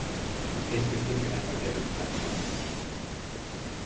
Qu'est-ce que c'est que mademoiselle Euphrasie en question?